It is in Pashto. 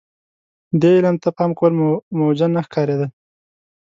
دې علم ته پام کول موجه نه ښکارېده.